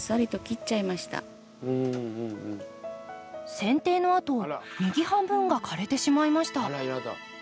せん定のあと右半分が枯れてしまいました。